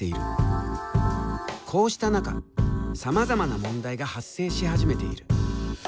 こうした中さまざまな問題が発生し始めている。